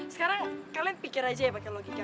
sekarang kalian pikir aja ya pakai logika